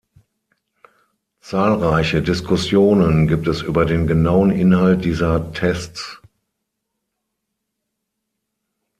Zahlreiche Diskussionen gibt es über den genauen Inhalt dieser Tests.